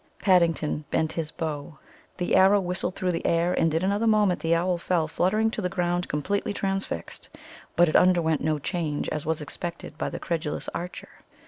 Paddington bent his bow. The arrow whistled through the air, and in another moment the owl fell fluttering to the ground completely transfixed; but it underwent no change, as was expected by the credulous archer.